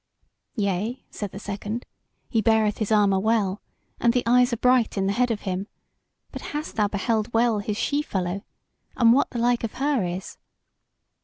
"Yea," said the second, "he beareth his armour well, and the eyes are bright in the head of him: but hast thou beheld well his she fellow, and what the like of her is?"